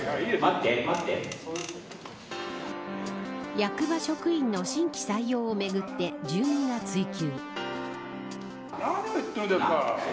役場職員の新規採用をめぐって住民が追求。